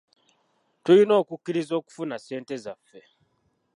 Tulina okukkiriza okufuna ssente zaffe.